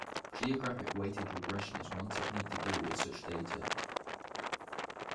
Geographic weighted regression is one technique to deal with such data.